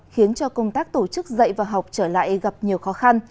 khiến cho công tác tổ chức dạy và học trở lại gặp nhiều khó khăn